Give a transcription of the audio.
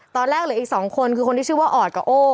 เหลืออีก๒คนคือคนที่ชื่อว่าออดกับโอ้